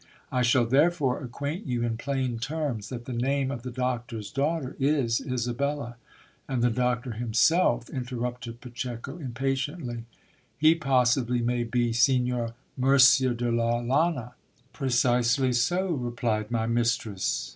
I shall therefore acquaint you in plain terms, that the name of the doctor's daugh ter is Isabella. And the doctor himself, interrupted Pacheco impatiently .... h ; possibly may be Signor Murcia de la Liana ? Precisely so, replied my mis tress.